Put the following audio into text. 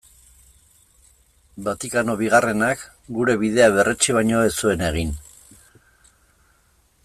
Vatikano Bigarrenak gure bidea berretsi baino ez zuen egin.